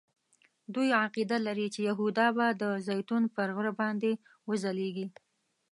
دوی عقیده لري چې یهودا به د زیتون پر غره باندې وځلیږي.